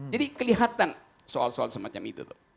jadi kelihatan soal soal semacam itu tuh